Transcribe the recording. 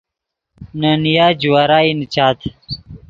نے نیا جوارائی نیچاد